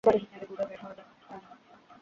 আমরা আর কি প্রত্যাশা করতে পারি?